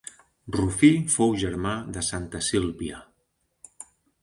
Rufí fou germà de santa Sílvia.